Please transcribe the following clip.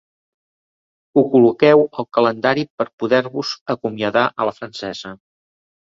Ho col·loqueu al calendari per poder-vos acomiadar a la francesa.